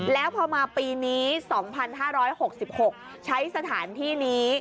แล้วพอมาปีนี้๒๕๖๖ใช้สถานที่นี้